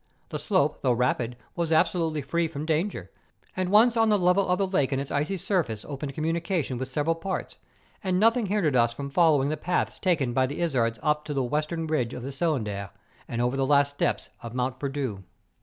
The slope, though rapid, was absolutely free from danger; and once on the level of the lake and its icy surface opened communications with several parts, and nothing hin¬ dered us from following the paths taken by the izards up to the western ridge of the Cylindre, and over the last steps of Mont Perdu.